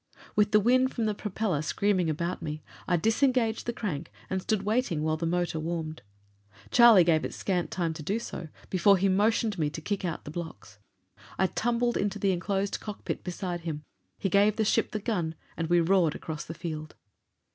With the wind from the propeller screaming about me, I disengaged the crank and stood waiting while the motor warmed. Charlie gave it scant time to do so before he motioned me to kick out the blocks. I tumbled into the enclosed cockpit beside him, he gave the ship the gun, and we roared across the field.